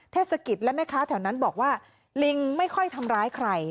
เทศกิจและแม่ค้าแถวนั้นบอกว่าลิงไม่ค่อยทำร้ายใคร